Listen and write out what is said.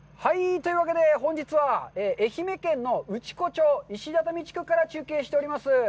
というわけで、本日は愛媛県の内子町石畳地区から中継しております。